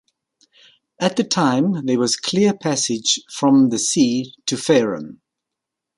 At the time there was clear passage from the sea to Farum.